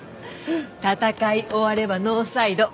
戦い終わればノーサイド。